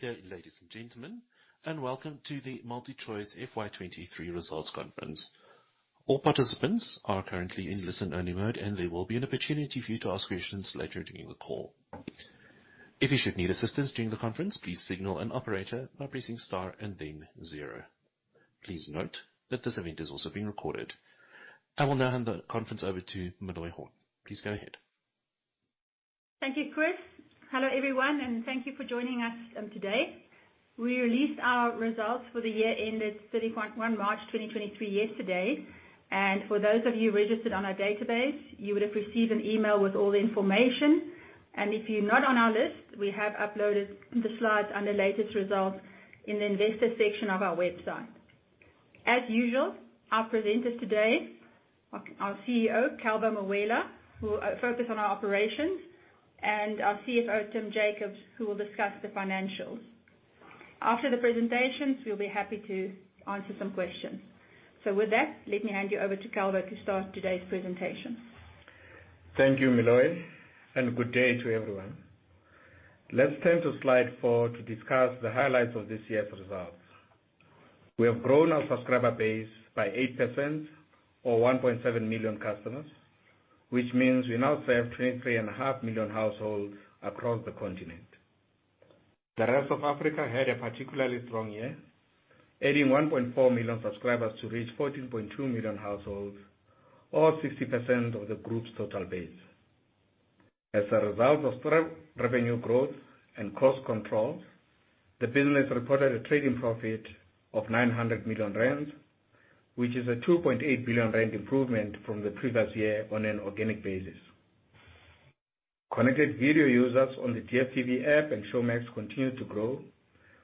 Good day, ladies and gentlemen, and welcome to the MultiChoice FY 2023 results conference. All participants are currently in listen-only mode, and there will be an opportunity for you to ask questions later during the call. If you should need assistance during the conference, please signal an operator by pressing star and then zero. Please note that this event is also being recorded. I will now hand the conference over to Meloy Horn. Please go ahead. Thank you, Chris. Hello, everyone, thank you for joining us today. We released our results for the year ended 31 March 2023 yesterday. For those of you registered on our database, you would have received an email with all the information. If you're not on our list, we have uploaded the slides on the latest results in the investor section of our website. As usual, our presenters today, our CEO, Calvo Mawela, will focus on our operations. Our CFO, Tim Jacobs, will discuss the financials. After the presentations, we'll be happy to answer some questions. With that, let me hand you over to Calvo to start today's presentation. Thank you, Meloy. Good day to everyone. Let's turn to slide 4 to discuss the highlights of this year's results. We have grown our subscriber base by 8%, or 1.7 million customers, which means we now serve 23.5 million households across the continent. The rest of Africa had a particularly strong year, adding 1.4 million subscribers to reach 14.2 million households, or 60% of the group's total base. As a result of strong revenue growth and cost controls, the business reported a trading profit of 900 million rand, which is a 2.8 billion rand improvement from the previous year on an organic basis. Connected video users on the DStv app and Showmax continued to grow,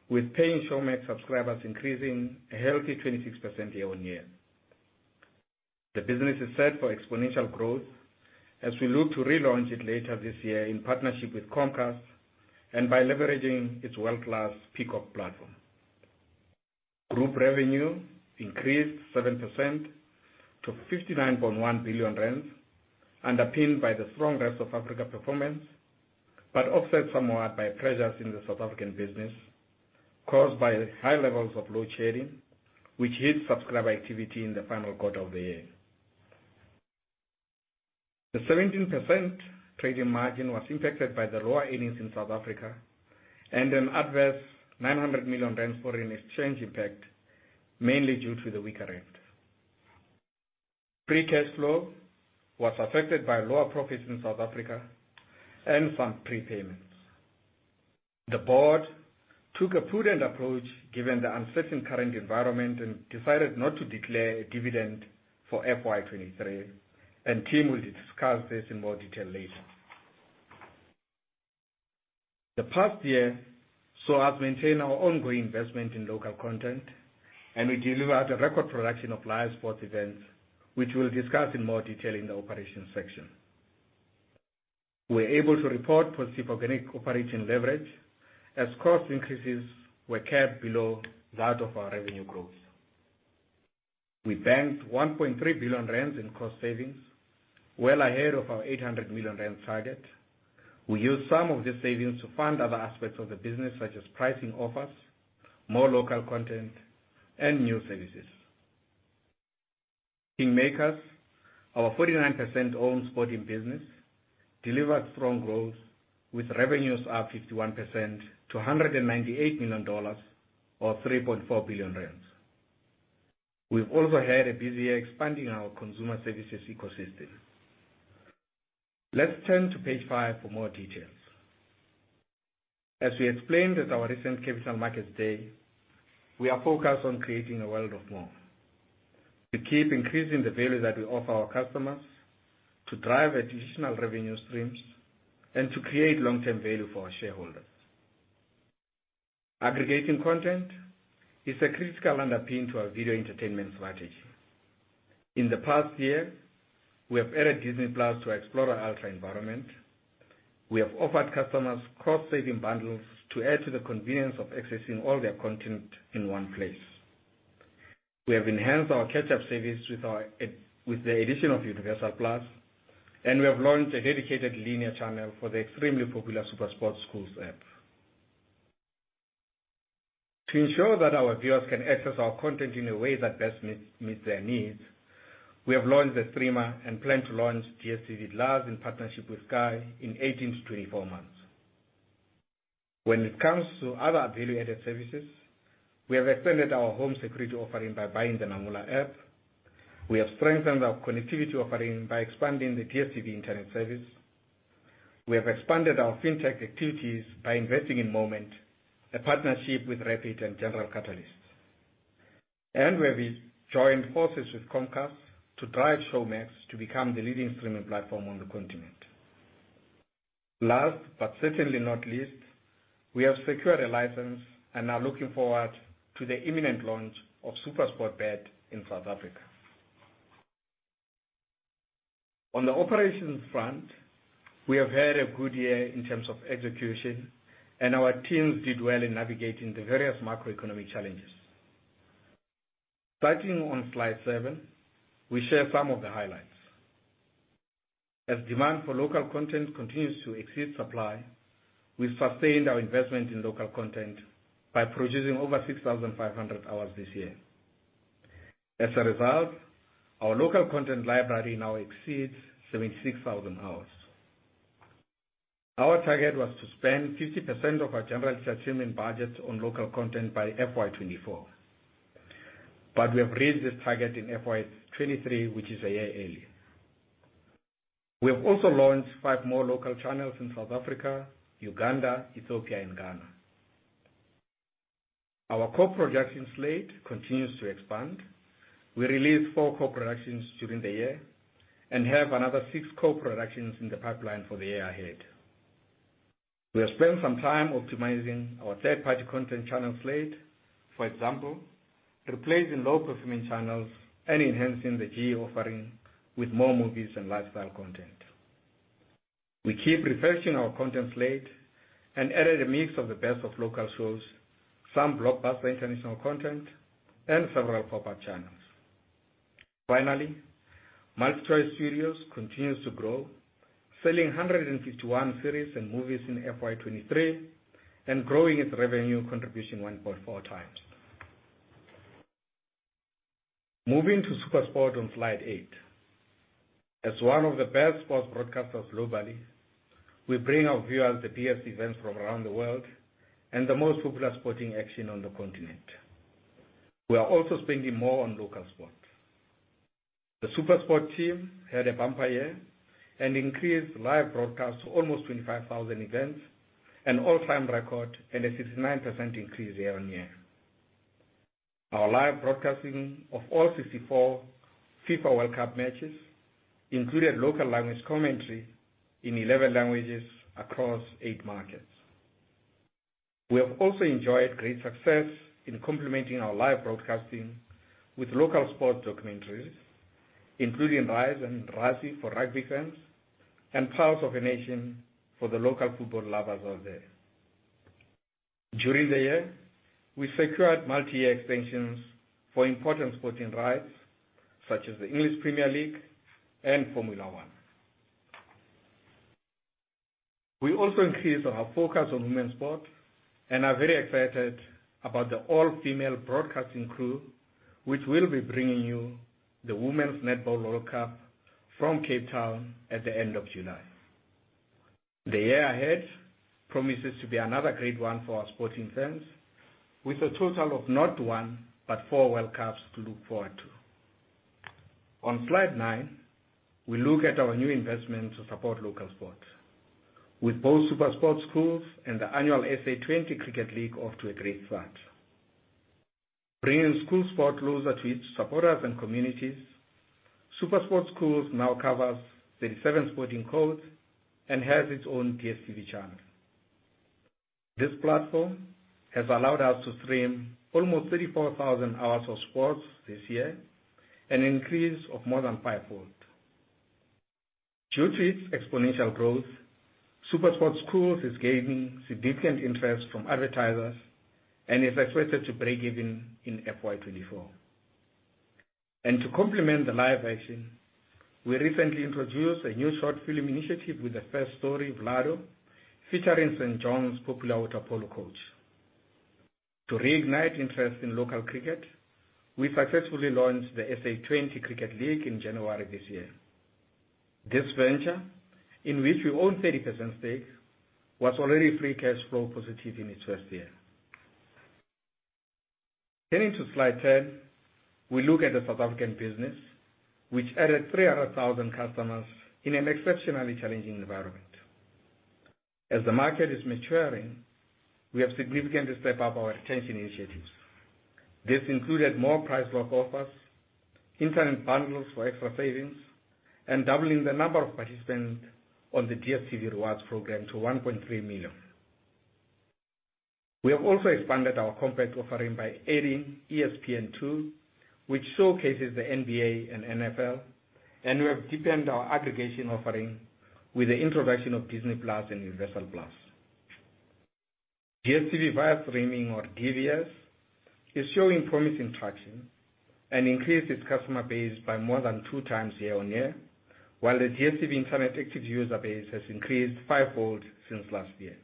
with paying Showmax subscribers increasing a healthy 26% year-on-year. The business is set for exponential growth as we look to relaunch it later this year in partnership with Comcast and by leveraging its world-class Peacock platform. Group revenue increased 7% to 59.1 billion rand, underpinned by the strong rest of Africa performance. Offset somewhat by pressures in the South African business caused by high levels of load shedding, which hit subscriber activity in the final quarter of the year. The 17% trading margin was impacted by the lower earnings in South Africa and an adverse 900 million rand foreign exchange impact, mainly due to the weaker rand. Free cash flow was affected by lower profits in South Africa and some prepayments. The board took a prudent approach, given the uncertain current environment. Decided not to declare a dividend for FY 2023, Tim will discuss this in more detail later. The past year, as to maintain our ongoing investment in local content. We delivered a record production of live sports events, which we'll discuss in more detail in the operations section. We're able to report positive organic operation leverage, as cost increases were kept below that of our revenue growth. We banked 1.3 billion rand in cost savings, well ahead of our 800 million rand target. We used some of these savings to fund other aspects of the business, such as pricing offers, more local content, and new services. KingMakers, our 49% owned sporting business, delivered strong growth, with revenues up 51% to $198 million, or 3.4 billion rand. We've also had a busy year expanding our consumer services ecosystem. Let's turn to page 5 for more details. As we explained at our recent Capital Markets Day, we are focused on creating a world of more. To keep increasing the value that we offer our customers, to drive additional revenue streams, and to create long-term value for our shareholders. Aggregating content is a critical underpin to our video entertainment strategy. In the past year, we have added Disney+ to explore our ultra environment. We have offered customers cost-saving bundles to add to the convenience of accessing all their content in one place. We have enhanced our catch-up service with the addition of Universal+, and we have launched a dedicated linear channel for the extremely popular SuperSport Schools app. To ensure that our viewers can access our content in a way that best meets their needs, we have launched the streamer and plan to launch DStv Live in partnership with Sky in 18-24 months. When it comes to other value-added services, we have expanded our home security offering by buying the Namola app. We have strengthened our connectivity offering by expanding the DStv Internet service. We have expanded our fintech activities by investing in Moment, a partnership with Rapyd and General Catalyst. We have joined forces with Comcast to drive Showmax to become the leading streaming platform on the continent. Last, but certainly not least, we have secured a license and are looking forward to the imminent launch of SuperSportBet in South Africa. On the operations front, we have had a good year in terms of execution, our teams did well in navigating the various macroeconomic challenges. Starting on slide 7, we share some of the highlights. As demand for local content continues to exceed supply, we've sustained our investment in local content by producing over 6,500 hours this year. As a result, our local content library now exceeds 76,000 hours. Our target was to spend 50% of our General Entertainment subscription budget on local content by FY 2024, we have reached this target in FY 2023, which is a year early. We have also launched 5 more local channels in South Africa, Uganda, Ethiopia, and Ghana. Our co-production slate continues to expand. We released 4 co-productions during the year and have another 6 co-productions in the pipeline for the year ahead. We have spent some time optimizing our third-party content channel slate, for example, replacing low-performing channels and enhancing the GE offering with more movies and lifestyle content. We keep refreshing our content slate and added a mix of the best of local shows, some blockbuster international content, and several proper channels. Finally, MultiChoice Studios continues to grow, selling 151 series and movies in FY 2023 and growing its revenue contribution 1.4x. Moving to SuperSport on slide 8. As one of the best sports broadcasters globally, we bring our viewers the best events from around the world and the most popular sporting action on the continent. We are also spending more on local sports. The SuperSport team had a bumper year and increased live broadcasts to almost 25,000 events, an all-time record, and a 69% increase year-on-year. Our live broadcasting of all 64 FIFA World Cup matches included local language commentary in 11 languages across 8 markets. We have also enjoyed great success in complementing our live broadcasting with local sports documentaries, including Rise and Rassie for rugby fans and Proud of a Nation for the local football lovers out there. During the year, we secured multi-year extensions for important sporting rights, such as the English Premier League and Formula One. We also increased our focus on women's sport and are very excited about the all-female broadcasting crew, which will be bringing you the Women's Netball World Cup from Cape Town at the end of July. The year ahead promises to be another great one for our sporting fans, with a total of not 1, but 4 World Cups to look forward to. On slide 9, we look at our new investment to support local sports, with both SuperSport Schools and the annual SA20 Cricket League off to a great start. Bringing school sports closer to its supporters and communities, SuperSport Schools now covers 37 sporting codes and has its own DStv channel. This platform has allowed us to stream almost 34,000 hours of sports this year, an increase of more than fivefold. Due to its exponential growth, SuperSport Schools is gaining significant interest from advertisers and is expected to break even in FY 2024. To complement the live action, we recently introduced a new short film initiative with the first story, Vlado, featuring St. John's popular water polo coach. To reignite interest in local cricket, we successfully launched the SA20 Cricket League in January this year. This venture, in which we own 30% stake, was already free cash flow positive in its first year. Getting to slide 10, we look at the South African business, which added 300,000 customers in an exceptionally challenging environment. As the market is maturing, we have significantly stepped up our retention initiatives. This included more price lock offers, internet bundles for extra savings, and doubling the number of participants on the DStv Rewards program to 1.3 million. We have also expanded our compact offering by adding ESPN2, which showcases the NBA and NFL, and we have deepened our aggregation offering with the introduction of Disney+ and Universal+. DStv via streaming or DVS, is showing promising traction and increased its customer base by more than 2x year-on-year, while the DStv Internet active user base has increased fivefold since last year.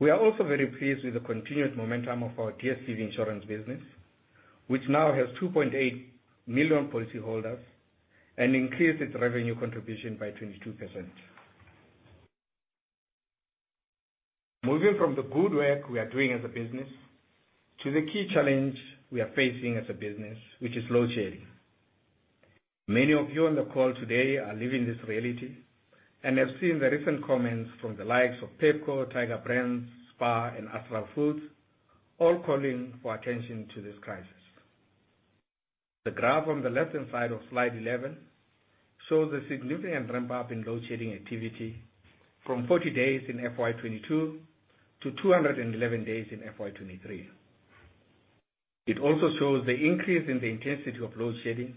We are also very pleased with the continued momentum of our DStv Insurance business, which now has 2.8 million policyholders and increased its revenue contribution by 22%. Moving from the good work we are doing as a business to the key challenge we are facing as a business, which is load shedding. Many of you on the call today are living this reality and have seen the recent comments from the likes of Pepkor, Tiger Brands, SPAR, and Astral Foods, all calling for attention to this crisis. The graph on the left-hand side of slide 11 shows a significant ramp-up in load shedding activity from 40 days in FY 2022 to 211 days in FY 2023. It also shows the increase in the intensity of load shedding.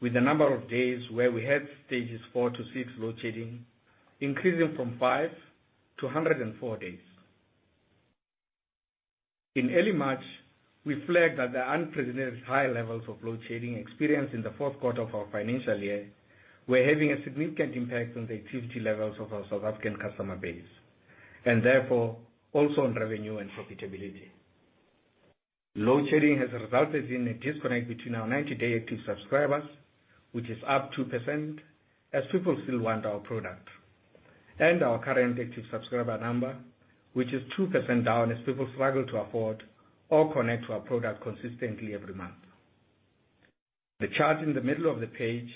With the number of days where we had stages 4 to 6 load shedding, increasing from 5 to 104 days. In early March, we flagged that the unprecedented high levels of load shedding experienced in the fourth quarter of our financial year were having a significant impact on the activity levels of our South African customer base, and therefore, also on revenue and profitability. Load shedding has resulted in a disconnect between our 90-day active subscribers, which is up 2%, as people still want our product, and our current active subscriber number, which is 2% down, as people struggle to afford or connect to our product consistently every month. The chart in the middle of the page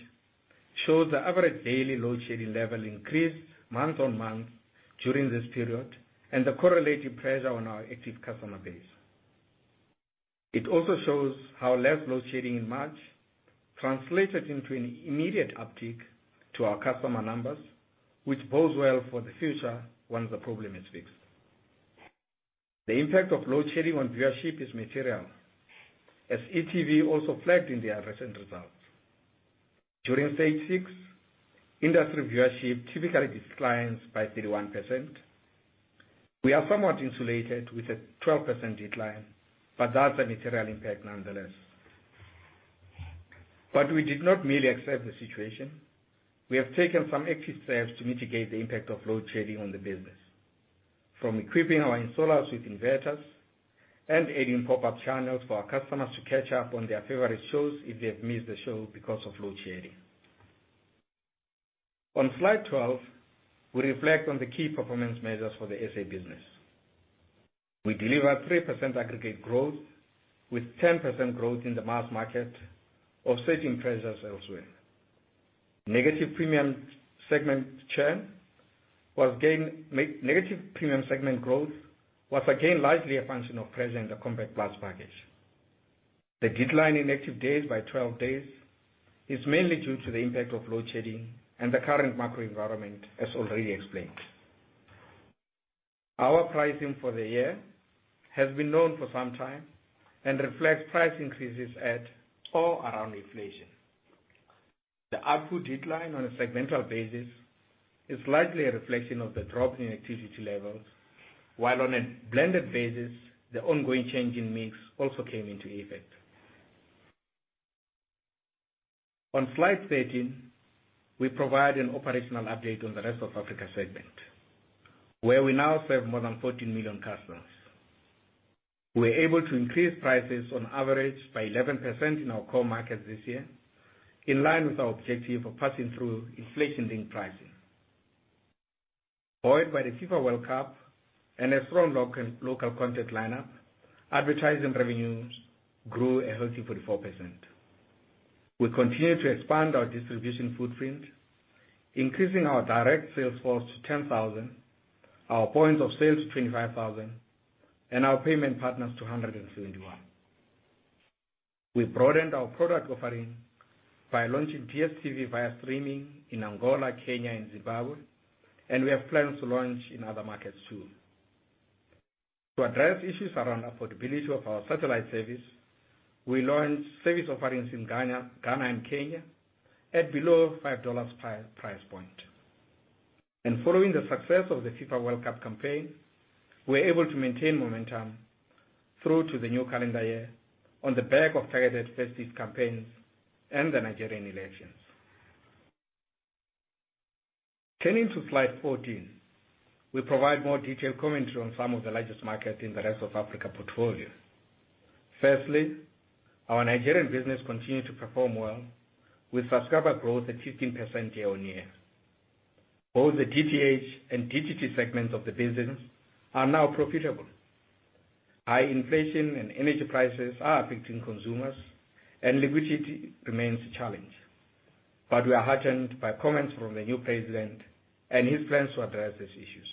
shows the average daily load shedding level increased month-on-month during this period, and the correlated pressure on our active customer base. It also shows how less load shedding in March translated into an immediate uptick to our customer numbers, which bodes well for the future once the problem is fixed. The impact of load shedding on viewership is material, as e.tv also flagged in their recent results. During stage six, industry viewership typically declines by 31%. We are somewhat insulated with a 12% decline, but that's a material impact nonetheless. We did not merely accept the situation. We have taken some active steps to mitigate the impact of load shedding on the business, from equipping our installers with inverters and adding pop-up channels for our customers to catch up on their favorite shows if they have missed the show because of load shedding. On Slide 12, we reflect on the key performance measures for the SA business. We delivered 3% aggregate growth, with 10% growth in the mass market, offsetting pressures elsewhere. Negative premium segment growth was, again, largely a function of pressure in the Compact Plus package. The decline in active days by 12 days is mainly due to the impact of load shedding and the current macro environment, as already explained. Our pricing for the year has been known for some time and reflects price increases at or around inflation. The ARPU decline on a segmental basis is likely a reflection of the drop in activity levels, while on a blended basis, the ongoing change in mix also came into effect. On slide 13, we provide an operational update on the rest of Africa segment, where we now serve more than 14 million customers. We were able to increase prices on average by 11% in our core markets this year, in line with our objective of passing through inflation-linked pricing. Buoyed by the FIFA World Cup and a strong local content lineup, advertising revenues grew a healthy 44%. We continue to expand our distribution footprint, increasing our direct sales force to 10,000, our points of sale to 25,000, and our payment partners to 121. We broadened our product offering by launching DStv via streaming in Angola, Kenya, and Zimbabwe, and we have plans to launch in other markets, too. To address issues around affordability of our satellite service, we launched service offerings in Ghana and Kenya at below $5 price point. Following the success of the FIFA World Cup campaign, we were able to maintain momentum through to the new calendar year on the back of targeted festive campaigns and the Nigerian elections. Turning to slide 14, we provide more detailed commentary on some of the largest markets in the rest of Africa portfolio. Firstly, our Nigerian business continued to perform well, with subscriber growth at 15% year-over-year. Both the DTH and DTT segments of the business are now profitable. High inflation and energy prices are affecting consumers, and liquidity remains a challenge, but we are heartened by comments from the new president and his plans to address these issues.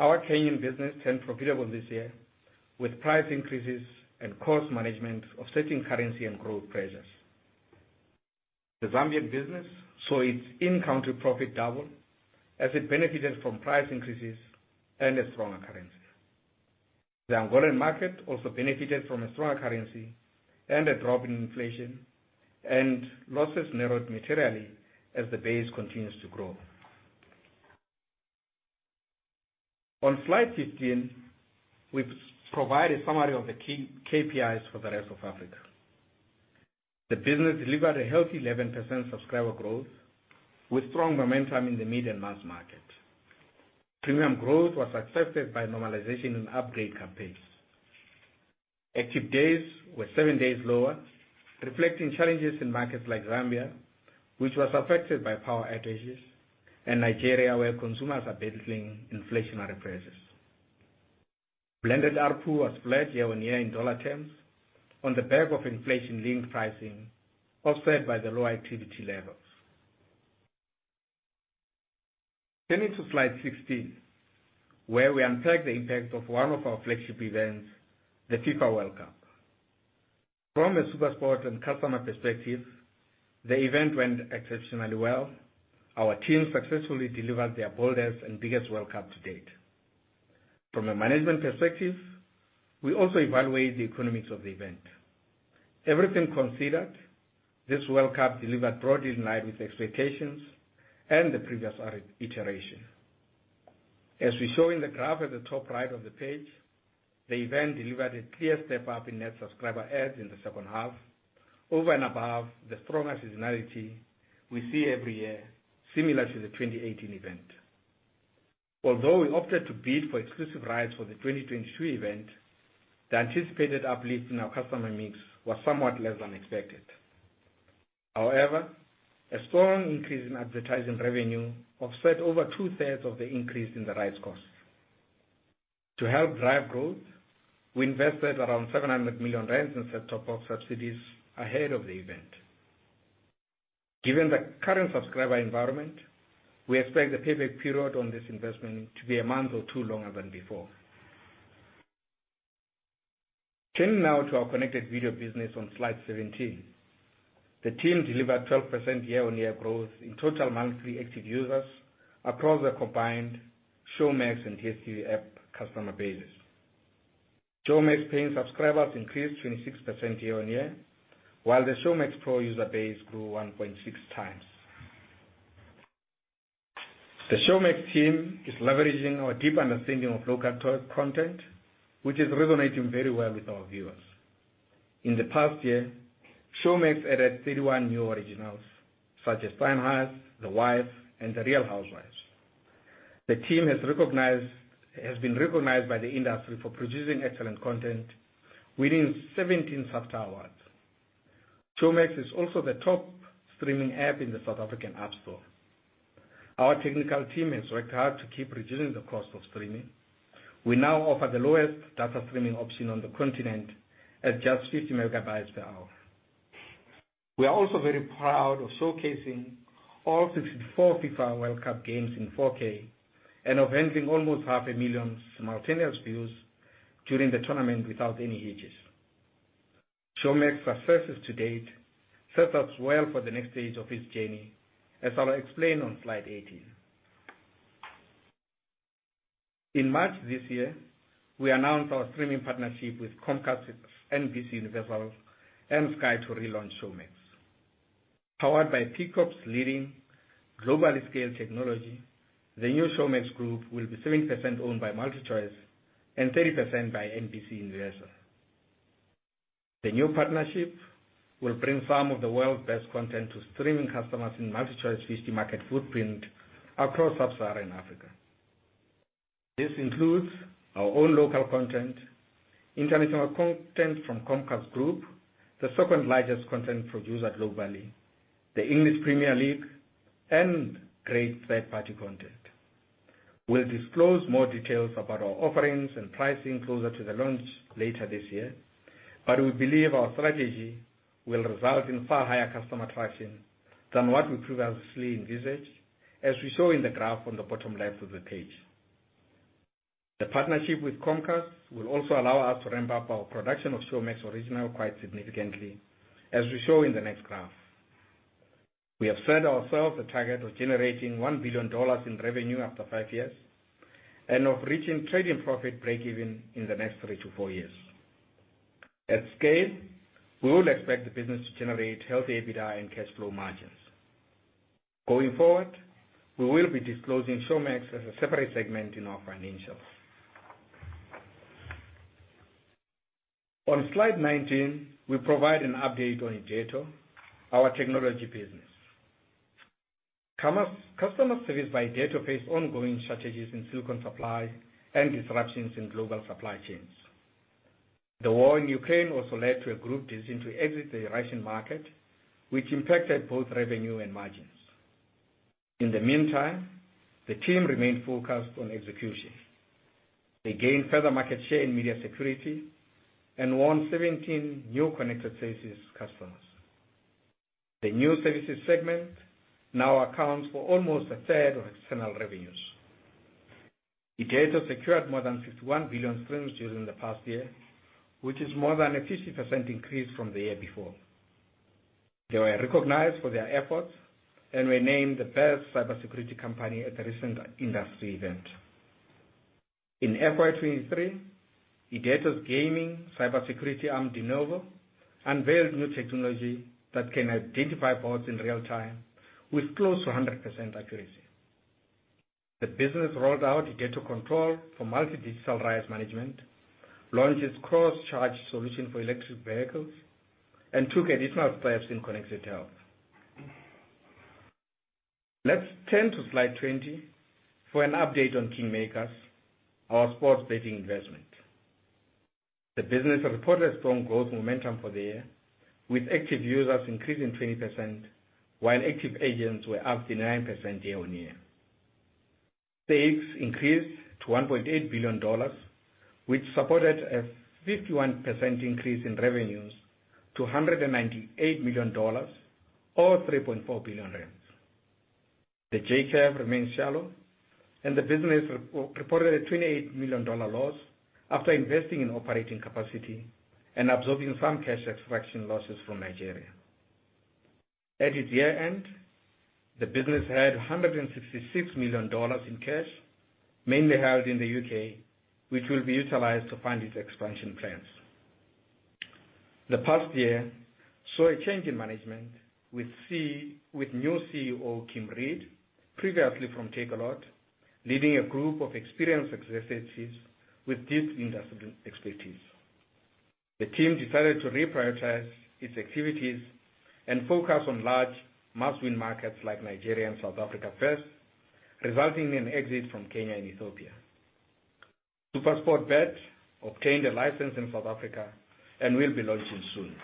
Our Kenyan business turned profitable this year, with price increases and cost management offsetting currency and growth pressures. The Zambian business saw its in-country profit double, as it benefited from price increases and a stronger currency. The Angolan market also benefited from a stronger currency and a drop in inflation. Losses narrowed materially as the base continues to grow. On slide 15, we've provided a summary of the key KPIs for the rest of Africa. The business delivered a healthy 11% subscriber growth, with strong momentum in the mid and mass market. Premium growth was affected by normalization in upgrade campaigns. Active days were 7 days lower, reflecting challenges in markets like Zambia, which was affected by power outages, and Nigeria, where consumers are battling inflationary pressures. Blended ARPU was flat year-on-year in dollar terms, on the back of inflation-linked pricing, offset by the lower activity levels. Turning to slide 16, where we unpack the impact of one of our flagship events, the FIFA World Cup. From a SuperSport and customer perspective, the event went exceptionally well. Our team successfully delivered their boldest and biggest World Cup to date. From a management perspective, we also evaluate the economics of the event. Everything considered, this World Cup delivered broadly in line with expectations and the previous iteration. As we show in the graph at the top right of the page, the event delivered a clear step up in net subscriber adds in the second half, over and above the stronger seasonality we see every year, similar to the 2018 event. We opted to bid for exclusive rights for the 2023 event, the anticipated uplift in our customer mix was somewhat less than expected. A strong increase in advertising revenue offset over two-thirds of the increase in the rights costs. To help drive growth, we invested around 700 million rand in set-top-box subsidies ahead of the event. Given the current subscriber environment, we expect the payback period on this investment to be a month or two longer than before. Turning now to our connected video business on slide 17. The team delivered 12% year-on-year growth in total monthly active users across the combined Showmax and DStv app customer bases. Showmax paying subscribers increased 26% year-on-year, while the Showmax Pro user base grew 1.6x. The Showmax team is leveraging our deep understanding of local content, which is resonating very well with our viewers. In the past year, Showmax added 31 new originals, such as Steinheist, The Wife, and The Real Housewives. The team has been recognized by the industry for producing excellent content, winning 17 SAFTA awards. Showmax is also the top streaming app in the South African App Store. Our technical team has worked hard to keep reducing the cost of streaming. We now offer the lowest data streaming option on the continent at just 50 MB per hour. We are also very proud of showcasing all 54 FIFA World Cup games in 4K, and of handling almost half a million simultaneous views during the tournament without any hitches. Showmax successes to date set us well for the next stage of this journey, as I'll explain on slide 18. In March this year, we announced our streaming partnership with Comcast, NBCUniversal, and Sky to relaunch Showmax. Powered by Peacock's leading globally scaled technology, the new Showmax group will be 70% owned by MultiChoice and 30% by NBCUniversal. The new partnership will bring some of the world's best content to streaming customers in MultiChoice 50 market footprint across sub-Saharan Africa. This includes our own local content, international content from Comcast Group, the second largest content producer globally, the English Premier League, and great third-party content. We'll disclose more details about our offerings and pricing closer to the launch later this year. We believe our strategy will result in far higher customer traction than what we previously envisaged, as we show in the graph on the bottom left of the page. The partnership with Comcast will also allow us to ramp up our production of Showmax Original quite significantly, as we show in the next graph. We have set ourselves a target of generating $1 billion in revenue after five years, and of reaching trading profit breakeven in the next three to four years. At scale, we would expect the business to generate healthy EBITDA and cash flow margins. Going forward, we will be disclosing Showmax as a separate segment in our financials. On slide 19, we provide an update on Irdeto, our technology business. customer service by Irdeto face ongoing shortages in silicon supply and disruptions in global supply chains. The war in Ukraine also led to a group decision to exit the Russian market, which impacted both revenue and margins. In the meantime, the team remained focused on execution. They gained further market share in media security and won 17 new connected services customers. The new services segment now accounts for almost 1/3 of external revenues. Irdeto secured more than 51 billion streams during the past year, which is more than a 50% increase from the year before. They were recognized for their efforts and were named the best cybersecurity company at the recent industry event. In FY 2023, Irdeto's gaming cybersecurity arm, Denuvo, unveiled new technology that can identify bots in real time with close to 100% accuracy. The business rolled out Irdeto Control for multi-digital rights management, launched its cross-charge solution for electric vehicles, and took additional steps in connected health. Let's turn to slide 20 for an update on KingMakers, our sports betting investment. The business reported strong growth momentum for the year, with active users increasing 20%, while active agents were up 99% year-on-year. Stakes increased to $1.8 billion, which supported a 51% increase in revenues to $198 million, or 3.4 billion rand. The J-curve remains shallow, and the business reported a $28 million loss after investing in operating capacity and absorbing some cash extraction losses from Nigeria. At its year-end, the business had $166 million in cash, mainly held in the UK, which will be utilized to fund its expansion plans. The past year saw a change in management with new CEO, Kim Reid, previously from Takealot, leading a group of experienced executives with deep industry expertise. The team decided to reprioritize its activities and focus on large must-win markets like Nigeria and South Africa first, resulting in an exit from Kenya and Ethiopia. SuperSportBet obtained a license in South Africa and will be launching soon.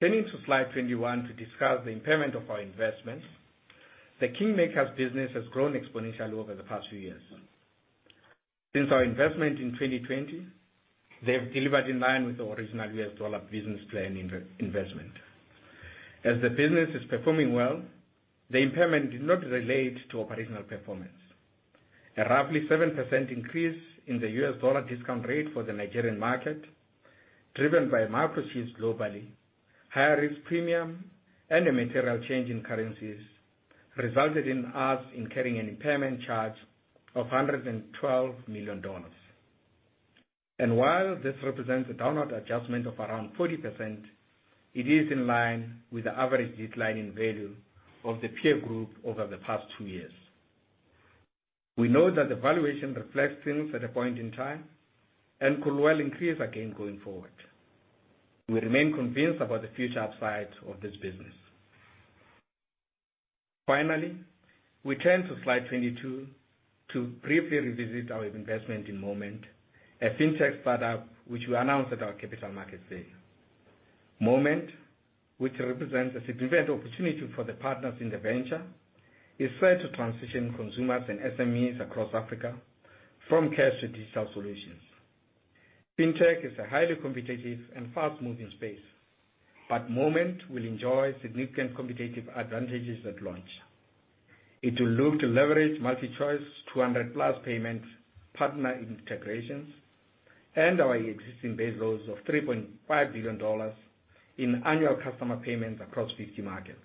Turning to slide 21 to discuss the impairment of our investments. The KingMakers business has grown exponentially over the past few years. Since our investment in 2020, they've delivered in line with the original US dollar business plan investment. As the business is performing well, the impairment did not relate to operational performance. A roughly 7% increase in the US dollar discount rate for the Nigerian market, driven by market shifts globally, higher risk premium, and a material change in currencies, resulted in us incurring an impairment charge of $112 million. While this represents a downward adjustment of around 40%, it is in line with the average decline in value of the peer group over the past two years. We know that the valuation reflects things at a point in time and could well increase again going forward. We remain convinced about the future upsides of this business. Finally, we turn to slide 22 to briefly revisit our investment in Moment, a fintech startup, which we announced at our Capital Markets Day. Moment, which represents a significant opportunity for the partners in the venture, is set to transition consumers and SMEs across Africa from cash to digital solutions. Fintech is a highly competitive and fast-moving space, but Moment will enjoy significant competitive advantages at launch. It will look to leverage MultiChoice, 200+ payments, partner integrations, and our existing base load of $3.5 billion in annual customer payments across 50 markets.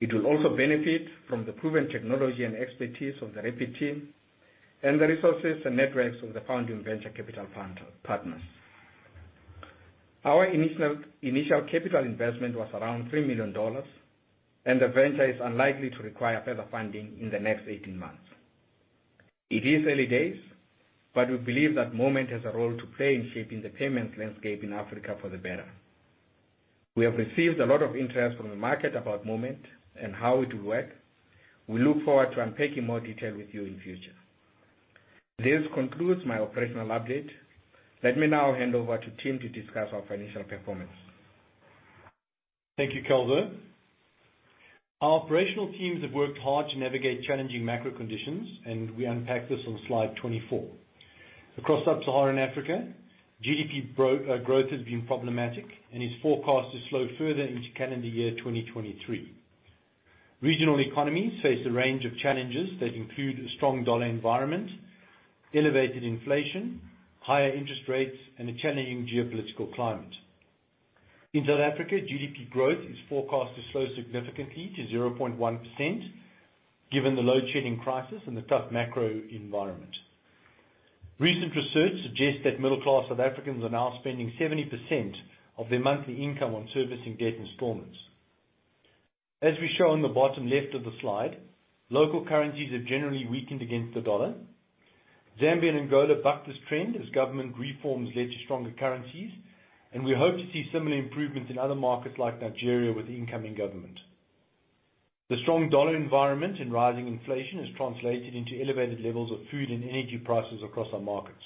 It will also benefit from the proven technology and expertise of the Rapyd team, and the resources and networks of the founding venture capital fund partners. Our initial capital investment was around $3 million, and the venture is unlikely to require further funding in the next 18 months. It is early days, but we believe that Moment has a role to play in shaping the payments landscape in Africa for the better. We have received a lot of interest from the market about Moment and how it will work. We look forward to unpacking more detail with you in future. This concludes my operational update. Let me now hand over to Tim to discuss our financial performance. Thank you, Calvo. Our operational teams have worked hard to navigate challenging macro conditions, and we unpack this on slide 24. Across sub-Saharan Africa, GDP growth has been problematic and is forecast to slow further into calendar year 2023. Regional economies face a range of challenges that include a strong dollar environment, elevated inflation, higher interest rates, and a challenging geopolitical climate. In South Africa, GDP growth is forecast to slow significantly to 0.1%, given the load shedding crisis and the tough macro environment. Recent research suggests that middle-class South Africans are now spending 70% of their monthly income on servicing debt installments. As we show on the bottom left of the slide, local currencies have generally weakened against the dollar. Zambia and Angola bucked this trend as government reforms led to stronger currencies. We hope to see similar improvements in other markets like Nigeria with the incoming government. The strong dollar environment and rising inflation has translated into elevated levels of food and energy prices across our markets.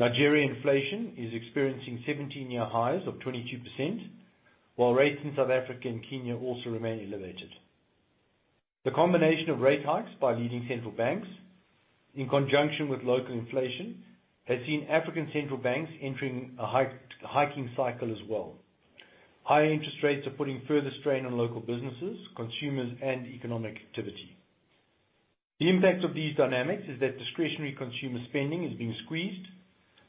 Nigeria inflation is experiencing 17-year highs of 22%, while rates in South Africa and Kenya also remain elevated. The combination of rate hikes by leading central banks, in conjunction with local inflation, has seen African central banks entering a hiking cycle as well. Higher interest rates are putting further strain on local businesses, consumers, and economic activity. The impact of these dynamics is that discretionary consumer spending is being squeezed,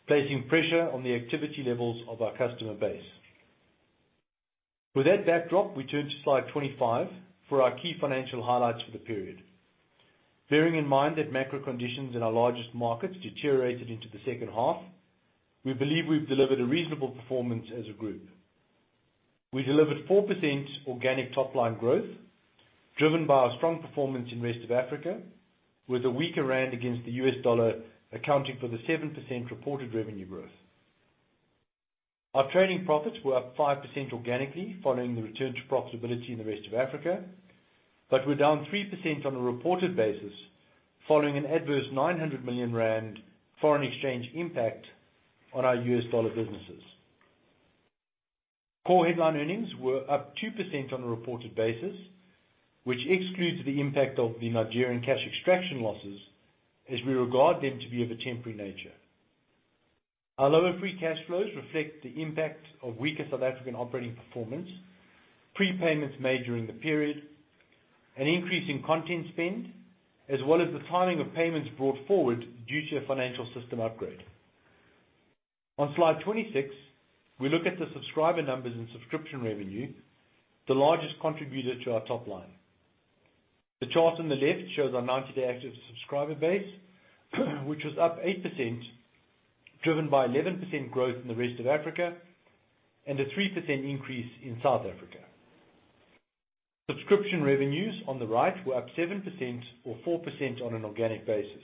placing pressure on the activity levels of our customer base. With that backdrop, we turn to slide 25 for our key financial highlights for the period. Bearing in mind that macro conditions in our largest markets deteriorated into the second half, we believe we've delivered a reasonable performance as a group. We delivered 4% organic top-line growth, driven by our strong performance in the rest of Africa, with a weaker rand against the US dollar, accounting for the 7% reported revenue growth. Our trading profits were up 5% organically, following the return to profitability in the rest of Africa, but were down 3% on a reported basis, following an adverse 900 million rand foreign exchange impact on our US dollar businesses. Core headline earnings were up 2% on a reported basis, which excludes the impact of the Nigerian cash extraction losses, as we regard them to be of a temporary nature. Our lower free cash flows reflect the impact of weaker South African operating performance, prepayments made during the period-... an increase in content spend, as well as the timing of payments brought forward due to a financial system upgrade. On slide 26, we look at the subscriber numbers and subscription revenue, the largest contributor to our top line. The chart on the left shows our 90-day active subscriber base, which was up 8%, driven by 11% growth in the rest of Africa and a 3% increase in South Africa. Subscription revenues on the right were up 7% or 4% on an organic basis.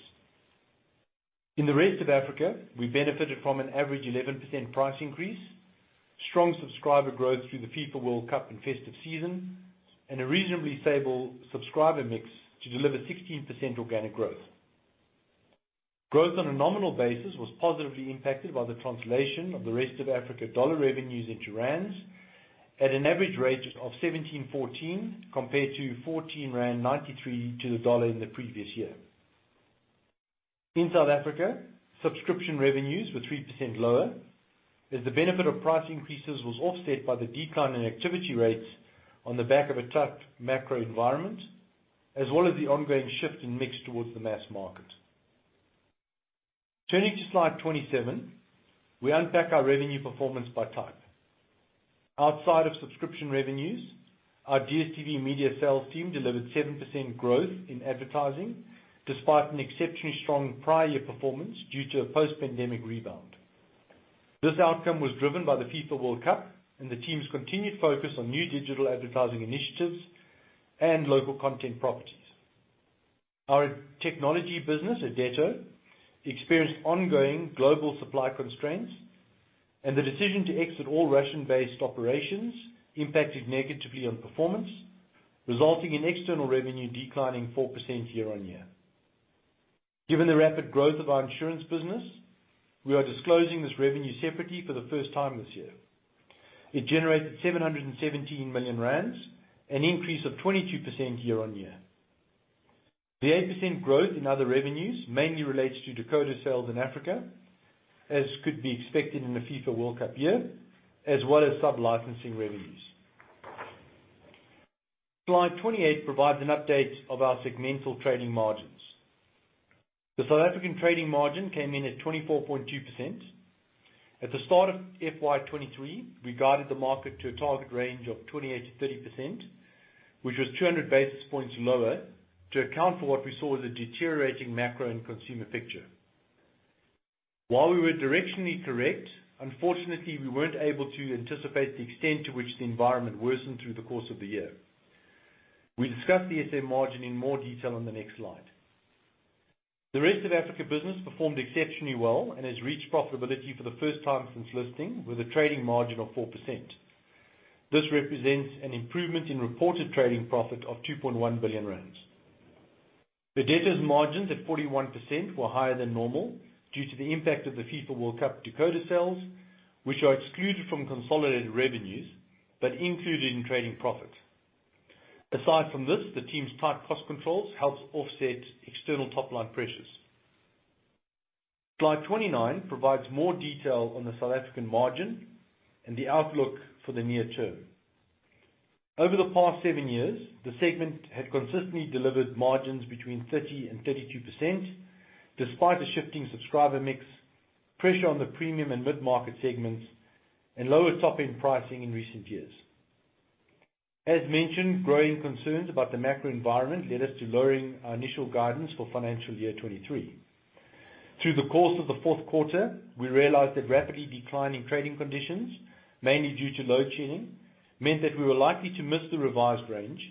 In the rest of Africa, we benefited from an average 11% price increase, strong subscriber growth through the FIFA World Cup and festive season, and a reasonably stable subscriber mix to deliver 16% organic growth. Growth on a nominal basis was positively impacted by the translation of the rest of Africa dollar revenues into rands at an average rate of 17.14, compared to 14.93 to the dollar in the previous year. In South Africa, subscription revenues were 3% lower, as the benefit of price increases was offset by the decline in activity rates on the back of a tough macro environment, as well as the ongoing shift in mix towards the mass market. Turning to slide 27, we unpack our revenue performance by type. Outside of subscription revenues, our DStv Media Sales team delivered 7% growth in advertising, despite an exceptionally strong prior year performance due to a post-pandemic rebound. This outcome was driven by the FIFA World Cup and the team's continued focus on new digital advertising initiatives and local content properties. Our technology business, Irdeto, experienced ongoing global supply constraints, and the decision to exit all Russian-based operations impacted negatively on performance, resulting in external revenue declining 4% year-over-year. Given the rapid growth of our insurance business, we are disclosing this revenue separately for the first time this year. It generated 717 million rand, an increase of 22% year-over-year. The 8% growth in other revenues mainly relates to decoder sales in Africa, as could be expected in the FIFA World Cup year, as well as sub-licensing revenues. Slide 28 provides an update of our segmental trading margins. The South African trading margin came in at 24.2%. At the start of FY 2023, we guided the market to a target range of 28%-30%, which was 200 basis points lower, to account for what we saw as a deteriorating macro and consumer picture. While we were directionally correct, unfortunately, we weren't able to anticipate the extent to which the environment worsened through the course of the year. We'll discuss the SA margin in more detail on the next slide. The rest of Africa business performed exceptionally well and has reached profitability for the first time since listing, with a trading margin of 4%. This represents an improvement in reported trading profit of 2.1 billion rand. The Irdeto's margins at 41% were higher than normal due to the impact of the FIFA World Cup decoder sales, which are excluded from consolidated revenues, but included in trading profit. Aside from this, the team's tight cost controls helps offset external top-line pressures. Slide 29 provides more detail on the South African margin and the outlook for the near term. Over the past 7 years, the segment had consistently delivered margins between 30% and 32%, despite a shifting subscriber mix, pressure on the premium and mid-market segments, and lower top-end pricing in recent years. As mentioned, growing concerns about the macro environment led us to lowering our initial guidance for financial year 2023. Through the course of the fourth quarter, we realized that rapidly declining trading conditions, mainly due to load shedding, meant that we were likely to miss the revised range,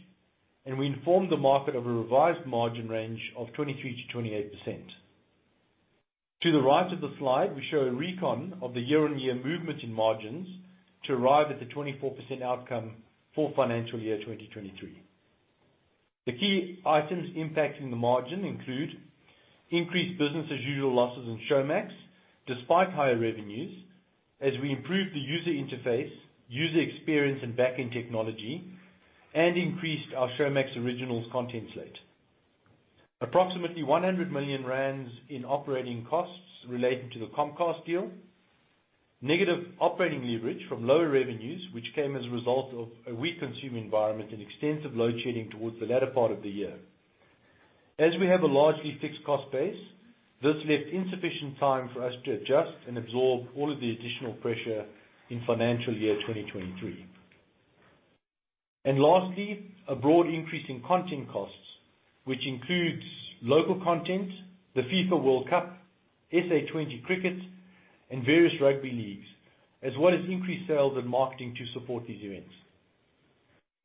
and we informed the market of a revised margin range of 23%-28%. To the right of the slide, we show a recon of the year-on-year movement in margins to arrive at the 24% outcome for FY 2023. The key items impacting the margin include increased business-as-usual losses in Showmax, despite higher revenues, as we improved the user interface, user experience and back-end technology, and increased our Showmax Originals content slate. Approximately 100 million rand in operating costs relating to the Comcast deal. Negative operating leverage from lower revenues, which came as a result of a weak consumer environment and extensive load shedding towards the latter part of the year. As we have a largely fixed cost base, this left insufficient time for us to adjust and absorb all of the additional pressure in FY 2023. Lastly, a broad increase in content costs, which includes local content, the FIFA World Cup, SA20 Cricket, and various rugby leagues, as well as increased sales and marketing to support these events.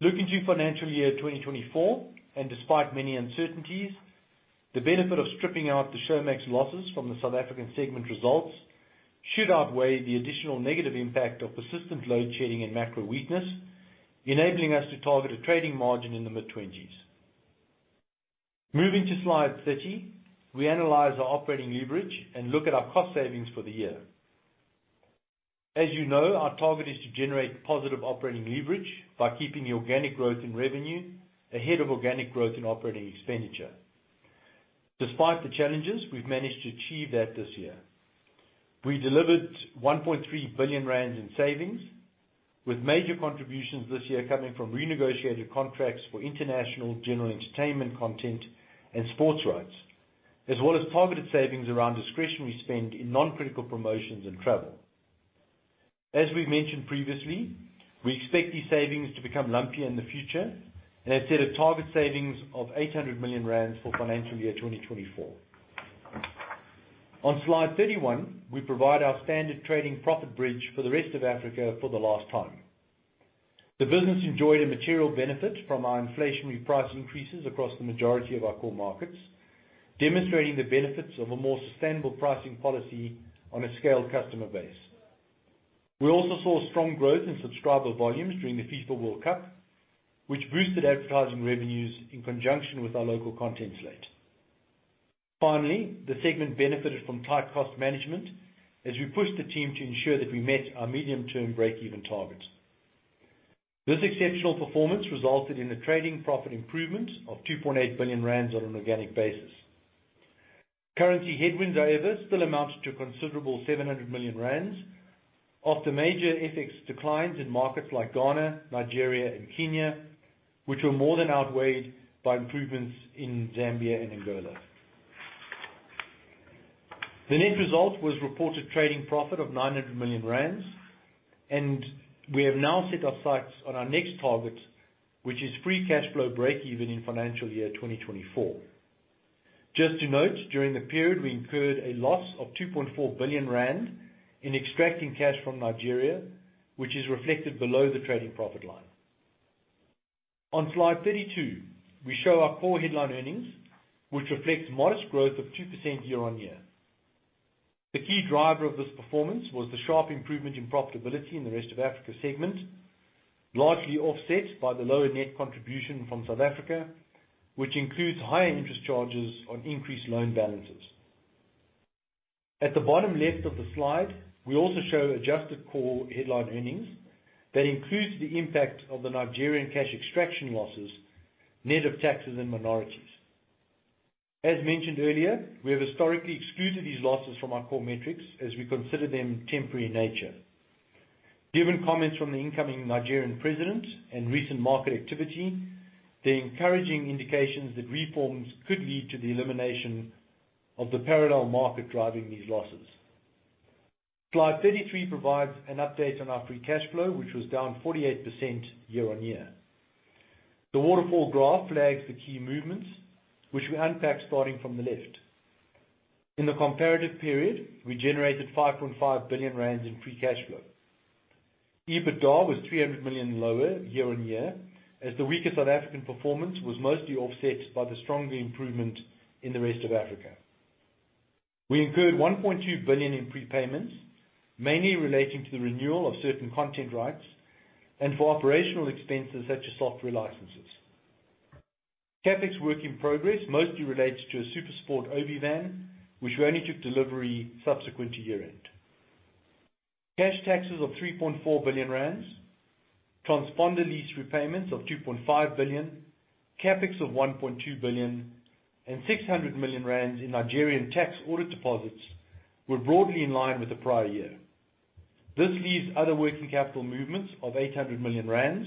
Looking to financial year 2024, and despite many uncertainties, the benefit of stripping out the Showmax losses from the South African segment results should outweigh the additional negative impact of persistent load shedding and macro weakness, enabling us to target a trading margin in the mid-twenties. Moving to Slide 30, we analyze our operating leverage and look at our cost savings for the year. As you know, our target is to generate positive operating leverage by keeping the organic growth in revenue ahead of organic growth in operating expenditure. Despite the challenges, we've managed to achieve that this year. We delivered 1.3 billion rand in savings, with major contributions this year coming from renegotiated contracts for international General Entertainment content and sports rights, as well as targeted savings around discretionary spend in non-critical promotions and travel. As we've mentioned previously, we expect these savings to become lumpier in the future, and have set a target savings of 800 million rand for FY 2024. On slide 31, we provide our standard trading profit bridge for the rest of Africa for the last time. The business enjoyed a material benefit from our inflationary price increases across the majority of our core markets, demonstrating the benefits of a more sustainable pricing policy on a scaled customer base. We also saw strong growth in subscriber volumes during the FIFA World Cup, which boosted advertising revenues in conjunction with our local content slate. Finally, the segment benefited from tight cost management as we pushed the team to ensure that we met our medium-term breakeven targets. This exceptional performance resulted in a trading profit improvement of 2.8 billion rand on an organic basis. Currency headwinds, however, still amounted to a considerable 700 million rand, after major FX declines in markets like Ghana, Nigeria, and Kenya, which were more than outweighed by improvements in Zambia and Angola. The net result was reported trading profit of 900 million rand. We have now set our sights on our next target, which is free cash flow breakeven in financial year 2024. Just to note, during the period, we incurred a loss of 2.4 billion rand in extracting cash from Nigeria, which is reflected below the trading profit line. On slide 32, we show our core headline earnings, which reflects modest growth of 2% year-on-year. The key driver of this performance was the sharp improvement in profitability in the rest of Africa segment, largely offset by the lower net contribution from South Africa, which includes higher interest charges on increased loan balances. At the bottom left of the slide, we also show adjusted core headline earnings that includes the impact of the Nigerian cash extraction losses, net of taxes and minorities. As mentioned earlier, we have historically excluded these losses from our core metrics as we consider them temporary in nature. Given comments from the incoming Nigerian president and recent market activity, there are encouraging indications that reforms could lead to the elimination of the parallel market driving these losses. Slide 33 provides an update on our free cash flow, which was down 48% year-on-year. The waterfall graph flags the key movements, which we unpack starting from the left. In the comparative period, we generated 5.5 billion rand in free cash flow. EBITDA was 300 million lower year-on-year, as the weaker South African performance was mostly offset by the stronger improvement in the rest of Africa. We incurred 1.2 billion in prepayments, mainly relating to the renewal of certain content rights and for operational expenses, such as software licenses. CapEx work in progress mostly relates to a SuperSport OB van, which we only took delivery subsequent to year-end. Cash taxes of 3.4 billion rand, transponder lease repayments of 2.5 billion, CapEx of 1.2 billion, and 600 million rand in Nigerian tax audit deposits were broadly in line with the prior year. This leaves other working capital movements of 800 million rand,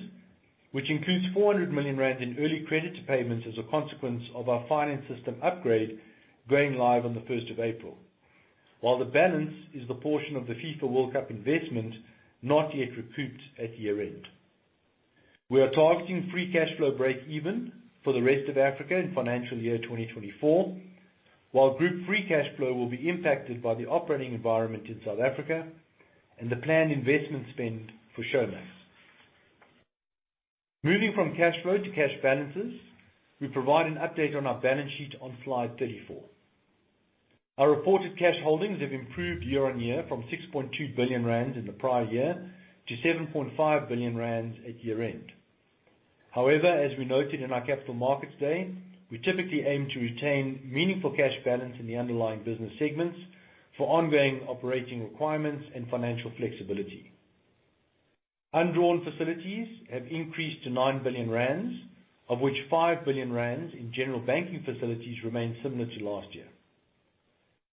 which includes 400 million rand in early credit to payments as a consequence of our finance system upgrade, going live on the 1st of April, while the balance is the portion of the FIFA World Cup investment not yet recouped at year-end. We are targeting free cash flow breakeven for the rest of Africa in FY 2024, while group free cash flow will be impacted by the operating environment in South Africa and the planned investment spend for Showmax. Moving from cash flow to cash balances, we provide an update on our balance sheet on slide 34. Our reported cash holdings have improved year-on-year from 6.2 billion rand in the prior year to 7.5 billion rand at year-end. As we noted in our Capital Markets Day, we typically aim to retain meaningful cash balance in the underlying business segments for ongoing operating requirements and financial flexibility. Undrawn facilities have increased to 9 billion rand, of which 5 billion rand in general banking facilities remain similar to last year.